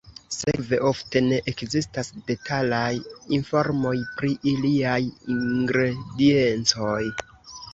Sekve ofte ne ekzistas detalaj informoj pri iliaj ingrediencoj.